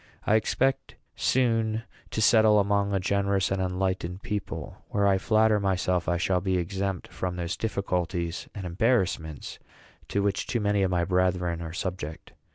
I expect soon to settle among a generous and enlightened people, where I flatter myself I shall be exempt from those difficulties and embarrassments to which too many of my brethren are subject.